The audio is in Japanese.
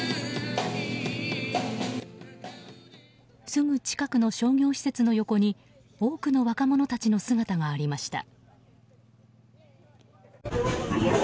すぐ近くの商業施設の横に多くの若者たちの姿がありました。